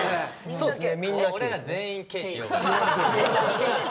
そうですね。